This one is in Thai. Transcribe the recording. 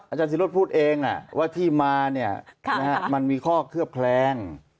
อาจารย์ศิรวชพูดเองว่าที่มามันมีข้อเครือแพรง